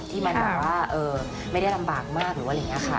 ที่มันแบบว่าไม่ได้ลำบากมากหรืออะไรอย่างนี้ค่ะ